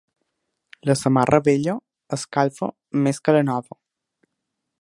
La samarra vella escalfa més que la nova.